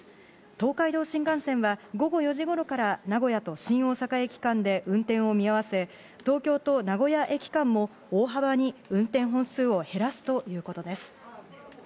東海道新幹線は、午後４時ごろから、名古屋と新大阪駅間で運転を見合わせ、東京と名古屋駅間も、大幅に運転本数を減らすということです。